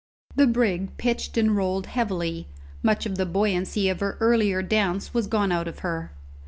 The brig pitched and rolled heavily. Much of the buoyancy of her earlier dance was gone out of her.